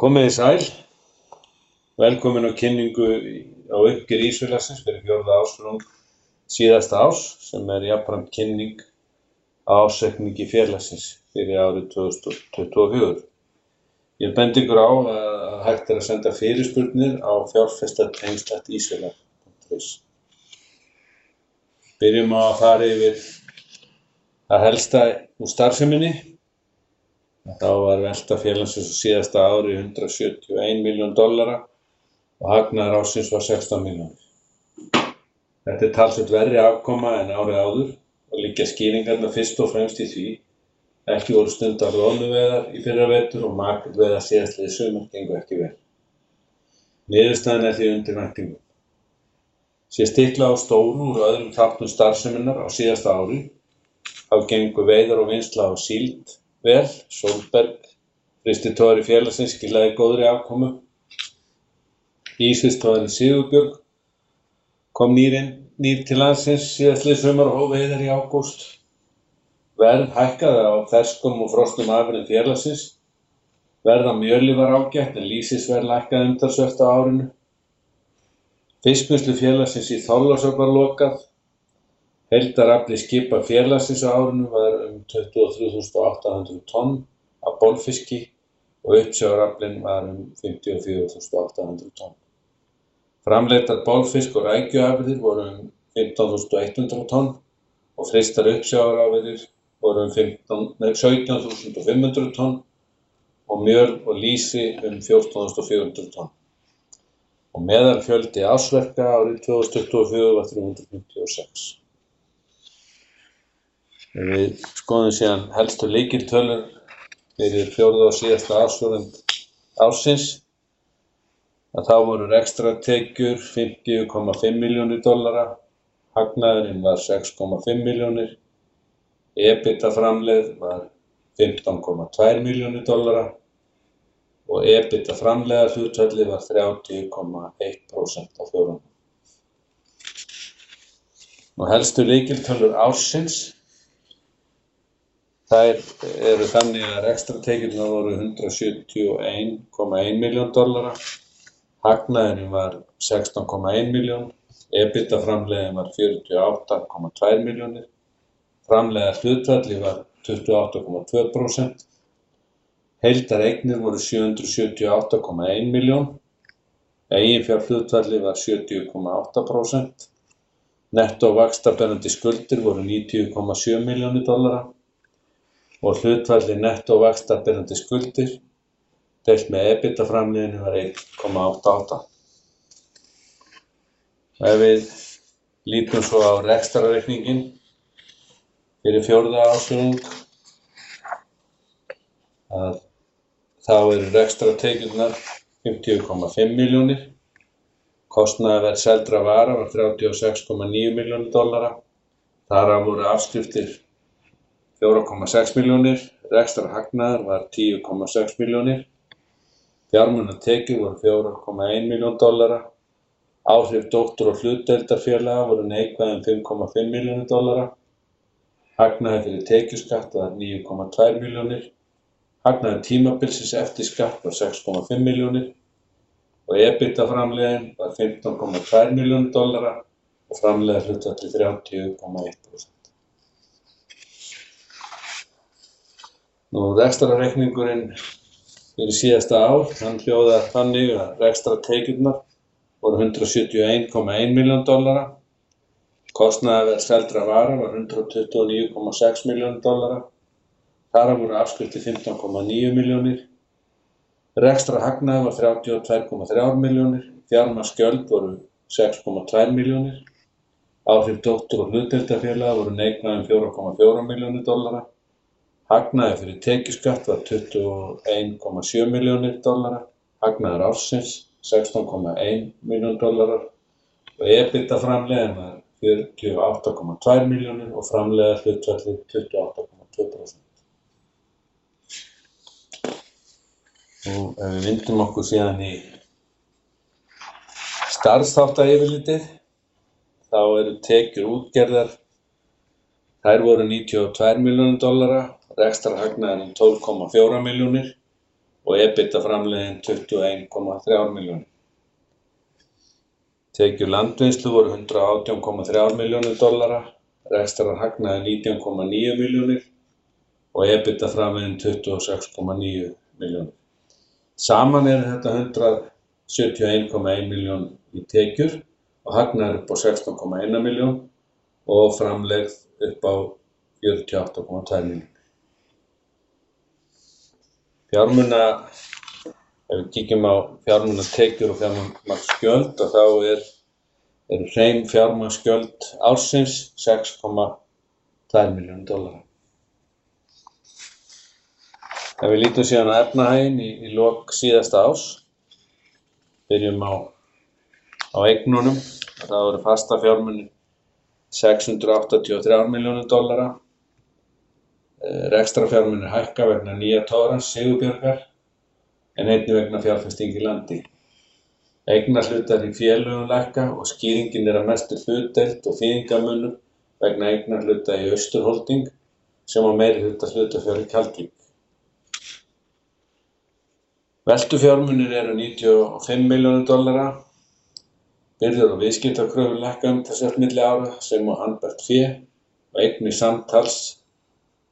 Komið þið sæl. Velkomin á kynningu á uppgjöri Ísfélagsins fyrir fjórða ársfjórðung síðasta árs, sem jafnframt er kynning á áætlun félagsins fyrir árið 2024. Ég bendi ykkur á að hægt er að senda fyrirspurnir á fjárfestadeild@isfélag.is. Byrjum á að fara yfir það helsta úr starfseminni. Velta félagsins á síðasta ári var $171 milljónir og hagnaður ársins var $16 milljónir. Þetta er talsvert verri afkoma en árið áður og liggja skýringarnar fyrst og fremst í því að ekki voru stundaðar loðnuveiðar í fyrra vetur og makrílveiðar síðastliðið sumar gengu ekki vel. Niðurstaðan var því undir væntingum. Sé litið á stóru línurnar úr öðrum þáttum starfseminnar á síðasta ári þá gengu þorskur og vindlax og síld vel. Sólberg frýsti og togari félagsins skiluðu góðri afkomu. Ísverk, þó aðeins síðar en búist var við, kom nýr skip til landsins síðastliðið sumar og hóf veiðar í ágúst. Verð hækkaði á ferskum og frosnum afurðum félagsins. Verð á mjöli var ágætt en lýsisverð lækkaði talsvertá árinu. Fiskvinnsla félagsins í Þorlákshöfn var lokað. Heildarafli skipafélagsins á árinu var 23.800 tonn af botnfiski og uppsjávarafli var 54.800 tonn. Framleiddar botnfiskafurðir voru 15.100 tonn og frystar uppsjávarafurðir voru 17.500 tonn og mjöl og lýsi 14.400 tonn. Meðalfjöldi starfsmanna árið 2024 var 356. Við skoðum síðan helstu lykiltölur fyrir fjórða og síðasta ársfjórðung ársins. Þá voru rekstrartekjur $50,5 milljónir, hagnaður var $6,5 milljónir, EBITDA var $15,2 milljónir og EBITDA framlegðarhlutfall var 30,1% á fjórðungnum. Helstu lykiltölur ársins eru þannig að rekstrartekjurnar voru $171,1 milljón, hagnaðurinn var $16,1 milljón, EBITDA var $48,2 milljónir, framlegðarhlutfallið var 28,2%, heildareignir voru $778,1 milljón, eiginfjárhlutfallið var 70,8%, nettó vaxtaberandi skuldir voru $90,7 milljónir og hlutfallið nettó vaxtaberandi skuldir deilt með EBITDA var 1,88. Ef við lítum svo á rekstrarreikninginn fyrir fjórða ársfjórðunginn, þá eru rekstrartekjurnar $50,5 milljónir, kostnaður við að selja vöru var $36,9 milljónir, þar af voru afskriftir $4,6 milljónir, rekstrarhagnaður var $10,6 milljónir, fjármunatekjur voru $4,1 milljón, áhrif dótturfélaga og hlutdeildarfélaga voru neikvæð $5,5 milljónir, hagnaður fyrir tekjuskatt var $9,2 milljónir, hagnaður tímabilsins eftir skatt var $6,5 milljónir og EBITDA framlegð var $15,2 milljónir og framlegðarhlutfallið 30,1%. Nú rekstrarreikningurinn fyrir síðasta ár, hann hljóðaði þannig að rekstrartekjurnar voru $171,1 milljón, kostnaður við að selja vöru var $129,6 milljónir, þar af voru afskriftir $15,9 milljónir, rekstrarhagnaður var $32,3 milljónir, fjármagnsgjöld voru $6,2 milljónir, áhrif dótturfélaga og hlutdeildarfélaga voru neikvæð $4,4 milljónir, hagnaður fyrir tekjuskatt var $21,7 milljónir, hagnaður ársins $16,1 milljón og EBITDA framlegð var $48,2 milljónir og framlegðarhlutfallið 28,2%. Ef við vindum okkur síðan í sjóðstreymisyfirlitið, þá eru tekjur útgerðar. Þær voru $92 milljónir, rekstrarhagnaðurinn $12,4 milljónir og EBITDA framleiðinn $21,3 milljónir. Tekjur landvinnslu voru $118,3 milljónir, rekstrarhagnaður $19,9 milljónir og EBITDA framleiðinn $26,9 milljónir. Saman eru þetta $171,1 milljón í tekjur og hagnaður upp á $16,1 milljón og framleiðslu upp á $48,2 milljónir. Fjármuna, ef við kíkjum á fjármunatekjur og fjármagnsgjöld, þá eru hrein fjármagnsgjöld ársins $6,2 milljónir. Ef við lítum síðan á efnahaginn í lok síðasta árs, byrjum á eignunum, þá eru fasta fjármunir $683 milljónir, rekstrarfjármunir hækka vegna nýja togarans Sigurbjörgar en einnig vegna fjárfestinga í landi. Eignahluta í félögum lækka og skýringin að mestu hluteild og þýðingarmunur vegna eignahluta í Austurholding sem á meirihluta hlutafjár í Kaldvík. Veltu fjármunir eru $95 milljónir, byrjar á viðskiptakröfum lækka það svört milli ára sem á handbært fé og eignir samtals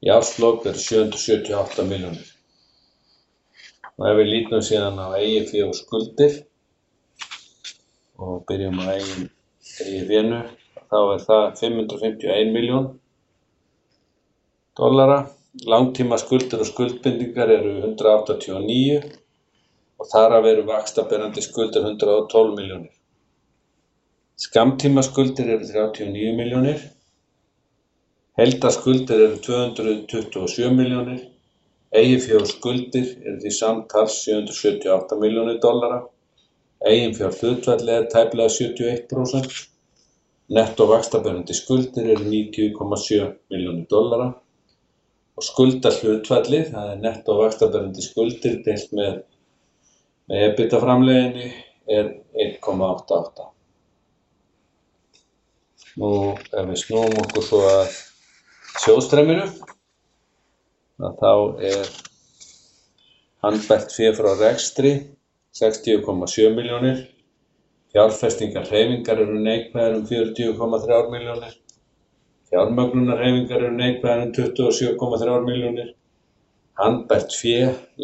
í árslok eru $778 milljónir. Og ef við lítum síðan á eigið fé og skuldir og byrjum á eigið fé nú, þá það $551 milljón. Langtímaskuldir og skuldbindingar eru $189 milljónir og þar af eru vaxtaberandi skuldir $112 milljónir. Skammtímaskuldir eru $39 milljónir, heildarskuldir eru $227 milljónir, eigið fé og skuldir eru því samtals $778 milljónir, eiginfjárhlutfallið tæplega 71%, nettó vaxtaberandi skuldir eru $90.7 milljónir og skuldahlutfallið, það nettó vaxtaberandi skuldir deilt með EBITDA framleiðinni, 1.88. Nú ef við snúum okkur svo að sjóðstreyminu, þá handbært fé frá rekstri $60.7 milljónir, fjárfestingarhreyfingar eru neikvæðar $40.3 milljónir, fjármögnunarhreyfingar eru neikvæðar $27.3 milljónir, handbært fé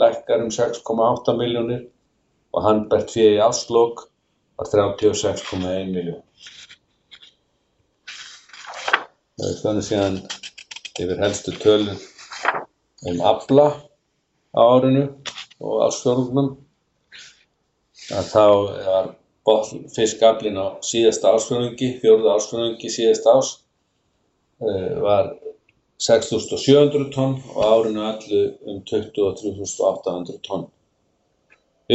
lækkar $6.8 milljónir og handbært fé í árslok var $36.1 milljón. Ef við förum síðan yfir helstu tölur afla á árinu og ársfjórðungnum, þá var fyrsti aflinn á síðasta ársfjórðungi, fjórða ársfjórðungi síðasta árs, var 6,700 tonn og á árinu öllu 23,800 tonn.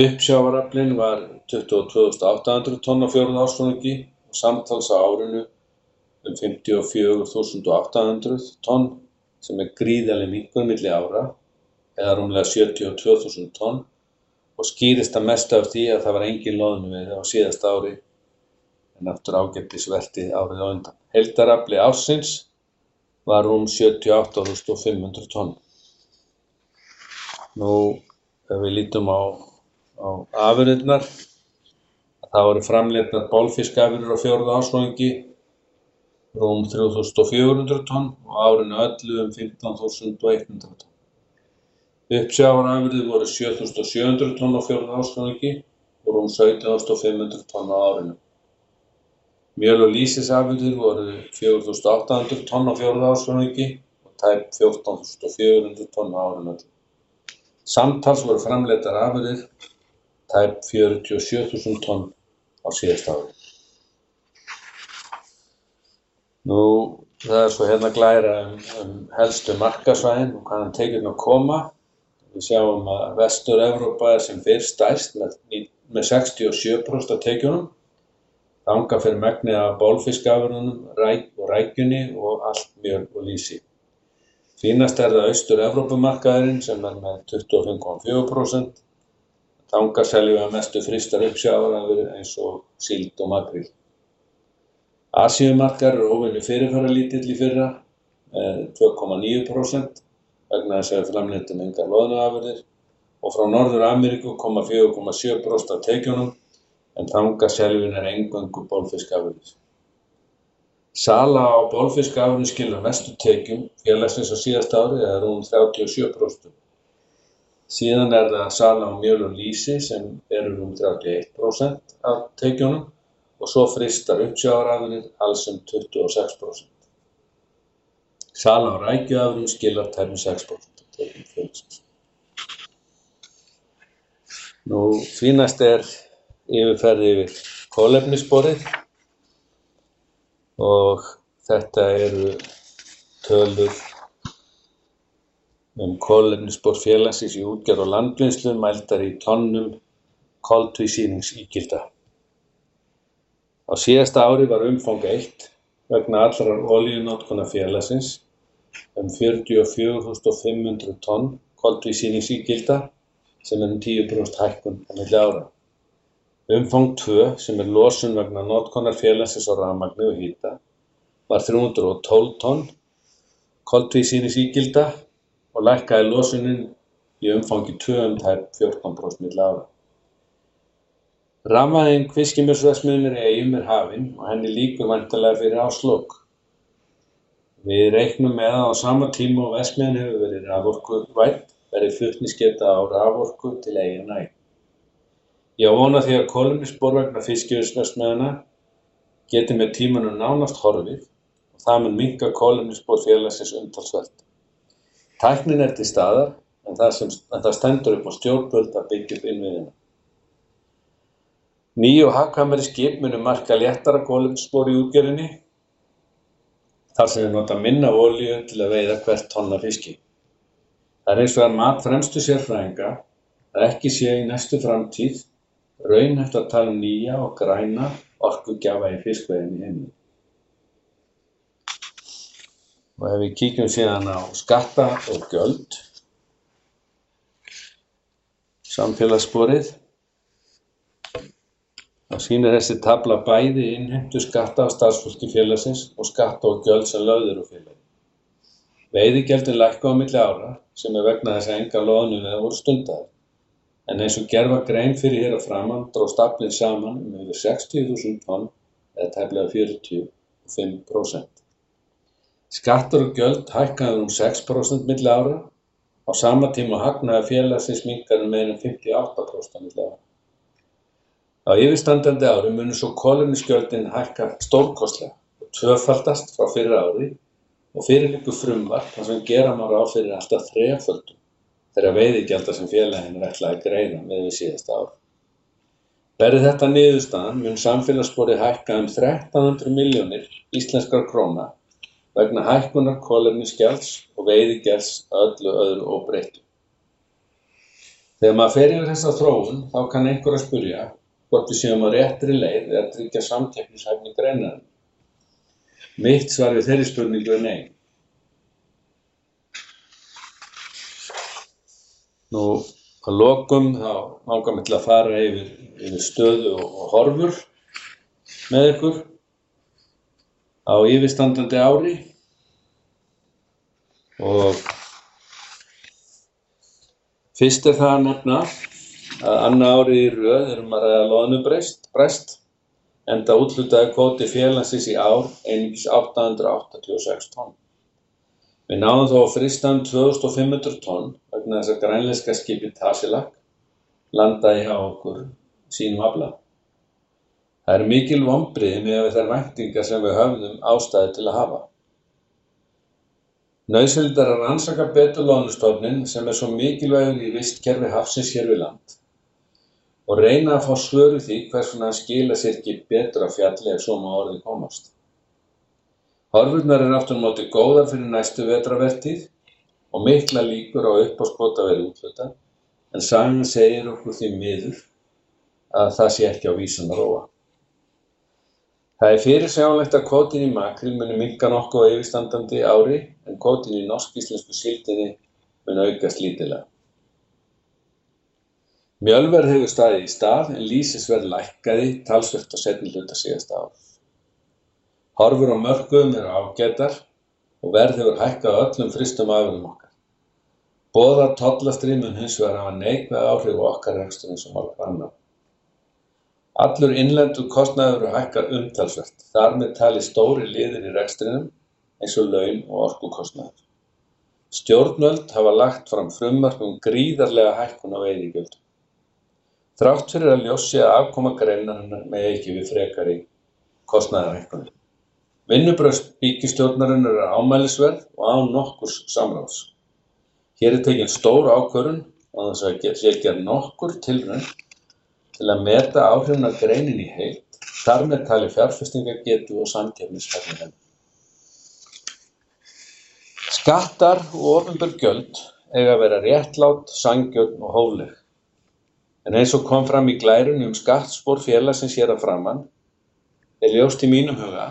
Uppsjávaraflinn var 22.800 tonn á fjórða ársfjórðungi og samtals á árinu 54.800 tonn sem gríðarleg minnkun milli ára, eða rúmlega 72.000 tonn og skýrist að mestu af því að það var engin lóðna á síðasta ári en eftir ágætis veltið. Heildarafli ársins var rúm 78.500 tonn. Ef við lítum á afurðirnar, þá voru framleiddar bólfiskafurðir á fjórða ársfjórðungi rúm 3.400 tonn og á árinu öllu 15.100 tonn. Uppsjávarafurðir voru 7.700 tonn á fjórða ársfjórðungi og rúm 17.500 tonn á árinu. Mjöll og lýsisafurðir voru 4.800 tonn á fjórða ársfjórðungi og tæpt 14.400 tonn á árinu öllu. Samtals voru framleiddar afurðir tæpt 47.000 tonn á síðasta ári. Það svo glærir helstu markaðsvæðin og hvaðan tekjurnar koma. Við sjáum að Vestur-Evrópa er stærst með 67% af tekjunum, þangað fer megnið af bólfiskafurunum, rækjunni og allt mjöll og lýsi. Finnst það Austur-Evrópumarkaðurinn sem með 25,4%, þangað seljum við mestu frystar uppsjávarafurðir eins og síld og makríl. Asíumarkaður óvenju fyrirferðarlítill í fyrra með 2,9% vegna þess að við framleiddum engar lóðnuafurðir og frá Norður-Ameríku koma 4,7% af tekjunum en þangað seljum við að eingöngu bólfiskafurðir. Sala á bólfiskafurðum skilar mestu tekjum félagsins á síðasta ári eða rúm 37%. Síðan það sala á mjölli og lýsi sem eru rúm 31% af tekjunum og svo frystar uppsjávarafurðir alls 26%. Sala á rækjuafurðum skilar tæpum 6% af tekjum félagsins. Nú finnst yfirferð yfir kolefnissporið og þetta eru tölur kolefnisspor félagsins í útgerð og landvinnslu mældar í tonnum koltvísýringsígilta. Á síðasta ári var umfang 1 vegna allrar olíunotkunar félagsins 44.500 tonn koltvísýringsígilta sem 10% hækkun á milli ára. Umfang 2 sem losun vegna notkunar félagsins á rafmagni og hita var 312 tonn koltvísýringsígilta og lækkaði losunin í umfangi 2 tæp 14% milli ára. Rafmagnsinnsetning fiskimjölsverksmiðjunnar Veiðigjöldin lækkuðu á milli ára sem vegna þess að engar lóðnir voru stundaðar. En eins og gert var grein fyir, hér að framan dró staflið saman yfir 60.000 tonn eða tæplega 45%. Skattar og gjöld hækkaðu 6% milli ára. Á sama tíma hagnaður félagsins minnkaði meira en 58% á milli ára. Á yfirstandandi ári munu svo kolefnisgjöldin hækka stórkostlega og tvöfaldast frá fyrra ári og fyrir liggur frumvarp þar sem gera má ráð fyrir fyrir allt að þreföldum þeirra veiðigjalda sem félagið hefur ætlað að greiða miðað við síðasta ár. Berið þetta niðurstaðan mun samfélagssporið hækka 1.300 milljónir íslenskra króna vegna hækkunar kolefnisgjalds og veiðigjalds að öllu öðru óbreyttu. Þegar maður fer yfir þessa þróun þá kann einhver að spyrja hvort við séum á réttri leið við að tryggja samkeppnishæfni greiðenda. Mitt svar við þeirri spurningu nei. Nú að lokum þá langar mig til að fara yfir stöðu og horfur með ykkur á yfirstandandi ári. Og fyrst það að nefna að annað árið í röð erum við að ræða loðnubrest, endúthlutaðia kvóti félagsins í ár einungis 886 tonna. Við náðum þá á frystanum 2.500 tonn vegna þess að grænlenska skipið Tasiilaq landaði hjá okkur sínum afla. Það mikil vonbrigði miðað við þær væntingar sem við höfðum ástæðu til að hafa. Nauðsynlegt er að rannsaka betur lóðnustofninn sem er svo mikilvægur í vistkerfi hafsins hér við land og reyna að fá svör við því hvers vegna skila sér ekki betri fjöldi ef svo má orðið komast. Horfurnar eru aftur á móti góðar fyrir næstu vetrarveiðina og miklar líkur á uppáskotaverði útflutnings, en sagan segir okkur því miður að það sé ekki víst að róa. Það er fyrirsjáanlegt að kvótinn í makríl muni minnka nokkuð á yfirstandandi ári, en kvótinn í norsk-íslensku sildinni mun aukast lítillega. Mjöll verður stæð í stað en lýsisverð lækkaði talsvert á seinni hluta síðasta árs. Horfur á mörkuðum eru ágætar og verð hefur hækkað á öllum frystum afurðum okkar. Boð af tollastrímun hafa hins vegar neikvæð áhrif á okkar rekstur eins og margt annað. Allur innlendur kostnaður hefur hækkað umtalsvert þar með talið stórir liðir í rekstrinum eins og laun og orkukostnaður. Stjórnvöld hafa lagt fram frumvarp um gríðarlega hækkun á veiðigjöldum þrátt fyrir að ljóst sé að afkoma greiðendanna megi ekki við frekari kostnaðarhækkun. Vinnubrögð byggistjórnarinnar eru óánægjuleg og án nokkurs samráðs. Hér er tekin stór ákvörðun og það er gert án nokkurrar tilraunar til að meta áhrif á greinina í heild þar með talið fjárfestingagetu og samkeppnishæfni hennar. Skattar og opinber gjöld eiga að vera réttlát, sanngjörn og hófleg. Eins og kom fram í glærunni um skattspor félagsins hér að framan, er ljóst í mínum huga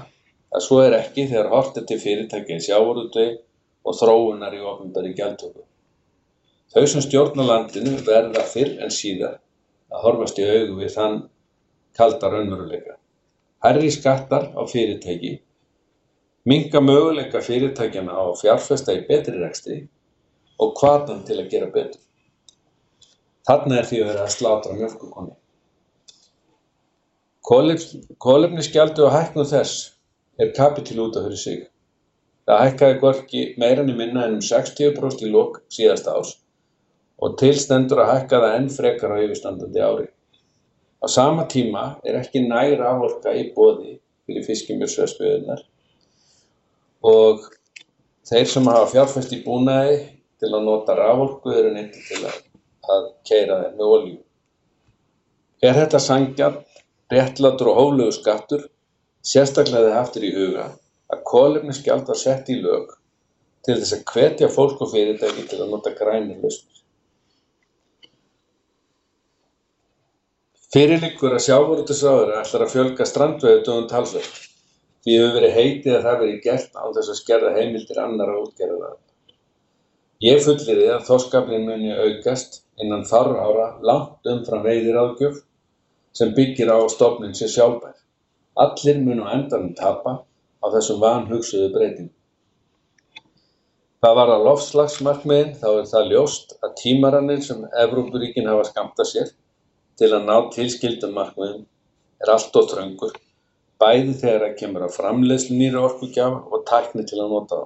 að svo er ekki þegar horft er til fyrirtækja eins og Rio Tinto og þróunar í opinberri gjaldtöku. Þau sem stjórna landinu verða fyrr en síðar að horfast í augu við þann kalda raunveruleika. Hærri skattar á fyrirtæki minnka möguleika fyrirtækjanna á að fjárfesta í betri rekstri og hvatan til að gera betur. Þarna er því verið að slátra mjólkurkúnni. Kolefnisgjaldið og hækkun þess er kafli út fyrir sig. Það hækkaði hvorki meira né minna en 60% í lok síðasta árs og til stendur að hækka það enn frekar á yfirstandandi ári. Á sama tíma er ekki nær raforka í boði fyrir fiskimjölsverksmiðjurnar og þeir sem hafa fjárfest í búnaði til að nota raforku eru neyddir til að keyra með olíu. Er þetta sanngjarnt, réttlátur og hóflegur skattur? Sérstaklega þegar haft er í huga að kolefnisgjald var sett í lög til þess að hvetja fólk og fyrirtæki til að nota grænar lausnir. Fyrir liggur að sjávarútvegsráðherra ætlar að fjölga strandveiðum töluvert, því hefur verið heitið að það verði gert án þess að skerða heimildir annarra útgerða. Ég fullyrði að þótt aflahlutdeild muni aukast innan fárra ára langt umfram veiðiráðgjöf sem byggir á að stofnun sé sjálfbær. Allir munu á endanum tapa á þessum vanhugsuðu breytingum. Hvað varðar loftslagsmarkmiðin þá er það ljóst að tímarammarnir sem Evrópuríkin hafa sett sér til að ná loftslagsmarkmiðum eru allt of þröngir, bæði þegar kemur að framleiðslu nýrra orkugjafa og tækni til að nota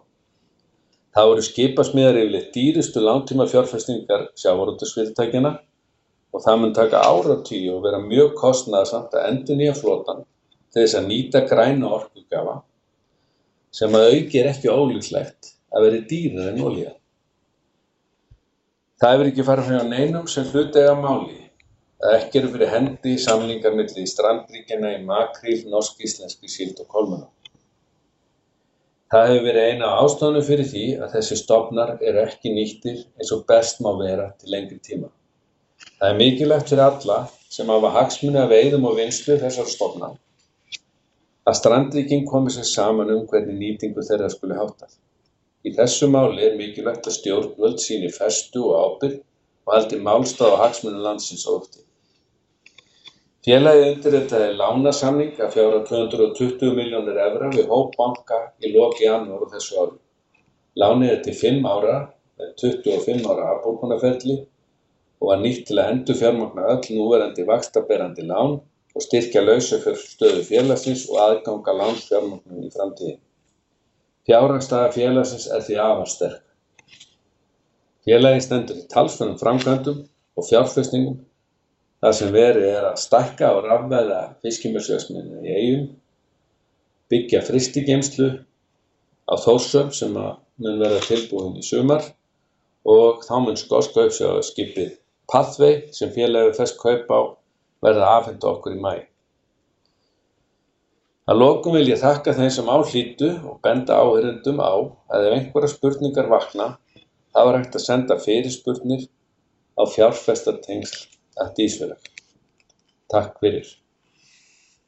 þá. Þá eru skip yfirleitt dýrustu langtímafjárfestingar sjávarútvegsfyrirtækjanna og það mun taka áratugi og vera mjög kostnaðarsamt að endurnýja flotann til þess að nýta græna orkugjafa sem að auki eru ekki ólíklegir til að vera dýrari en olía. Það hefur ekki farið fram hjá neinum sem hluta af máli að ekki eru fyrir hendi samningar milli Strandríkjanna, Makríl, Norsk-íslenskri sild og Kolmunna. Það hefur verið eina ástæðan fyrir því að þessir stofnar eru ekki nýttir eins og best má vera til lengri tíma. Það mikilvægt fyrir alla sem hafa hagsmuni af veiðum og vinnslu þessara stofna að Strandríkin komi sér saman hvernig nýtingu þeirra skuli háttast. Í þessu máli mikilvægt að stjórnvöld sýni festu og ábyrgð og haldi málstað á hagsmunum landsins. Félagið undirritaði lánasamning að fjárhæð €220 milljóna við hópi banka í lok janúar á þessu ári. Lánið til 5 ára með 25 ára afbókunarferli og var nýtt til að endurfjármagna öll núverandi vaxtaberandi lán og styrkja lausafjárstöðu félagsins og aðgang að lánsfjármagni í framtíðinni. Fjárhagsstaða félagsins því afar sterk. Félagið stendur í talsverðum framkvæmdum og fjárfestingum þar sem verið er að stækka og rafvæða fiskimjölksverksmiðjuna í Eyjum, byggja frystigeymslu á Þórshöfn sem mun vera tilbúin í sumar og þá mun skólskauðsjóðskipið Patveig sem félagið fær kaup á verða afhent okkur í maí. Að lokum vil ég þakka þeim sem á hlýddu og benda á áður en ég klára að ef einhverjar spurningar vakna þá er hægt að senda fyrirspurnir á fjárfestatengsl@isfélag.is. Takk fyrir.